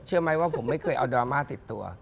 ไหมว่าผมไม่เคยเอาดราม่าติดตัว